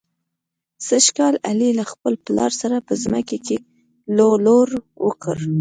سږ کال علي له خپل پلار سره په ځمکه کې لو لور وکړ.